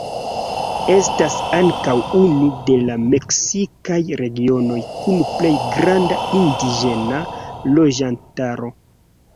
Estas ankaŭ unu de la meksikaj regionoj kun plej granda indiĝena loĝantaro.